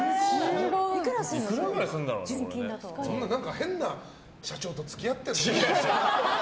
変な社長と付き合ってるの？